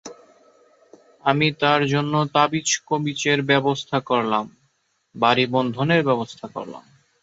আমি তার জন্য তাবিজকবীচের ব্যবস্থা করলাম, বাড়ি-বন্ধনের ব্যবস্থা করলাম!